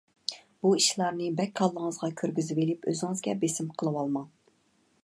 بۇ ئىشلارنى بەك كاللىڭىزغا كىرگۈزۈۋېلىپ ئۆزىڭىزگە بېسىم قىلىۋالماڭ.